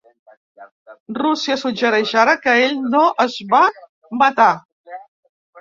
Rússia suggereix ara que ell no es va matar.